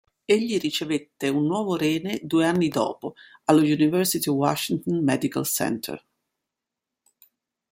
Egli ricevette un nuovo rene due anni dopo allo University of Washington Medical Center.